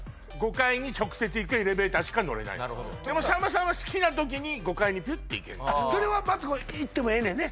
５階に直接行くエレベーターしか乗れないのでもさんまさんは好きなときに５階にピュッて行けるのそれはマツコ行ってもええねんね